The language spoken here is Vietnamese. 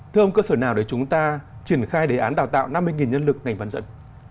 thưa ông cơ sở nào để chúng ta triển khai đề án đào tạo năm mươi nhân lực ngành bán dẫn